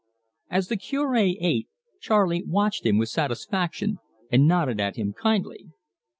As the Cure ate, Charley watched him with satisfaction, and nodded at him kindly.